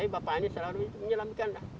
bapak ini selalu menjelamkan